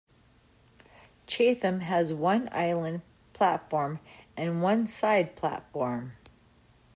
Chatham has one island platform and one side platform.